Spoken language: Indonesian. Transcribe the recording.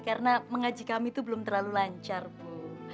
karena mengaji kami tuh belum terlalu lancar bu